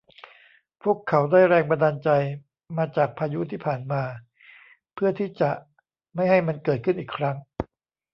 พวกเขาได้แรงบันดาลใจมาจากพายุที่ผ่านมา เพื่อที่จะไม่ให้มันเกิดขึ้นอีกครั้ง